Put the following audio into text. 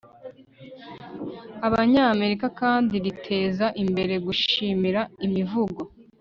abanyamerika kandi riteza imbere gushimira imivugo